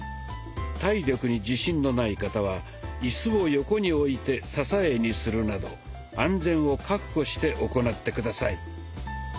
体力に自信のない方はイスを横に置いて支えにするなど安全を確保して行って下さい。